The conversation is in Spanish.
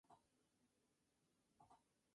Canciones propias y alguna versión.